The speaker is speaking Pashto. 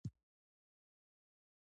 خدای دې ایران او افغانستان دواړه وساتي.